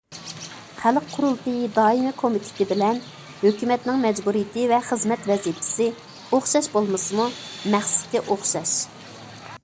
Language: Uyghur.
خەلق قۇرۇلتىيى دائىمىي كومىتېتى بىلەن ھۆكۈمەتنىڭ مەجبۇرىيىتى ۋە خىزمەت ۋەزىپىسى ئوخشاش بولمىسىمۇ، مەقسىتى ئوخشاش.